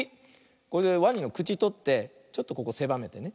これでワニのくちとってちょっとここせばめてね